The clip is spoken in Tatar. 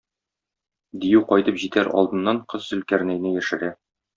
Дию кайтып җитәр алдыннан, кыз Зөлкарнәйне яшерә.